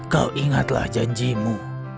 kau ingatlah janjimu